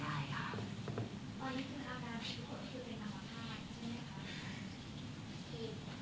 คุณต่อไปที่เป็นหัวใจว่าที่จะคุ้มน้ำค่าวัญใช่ไหมค่ะ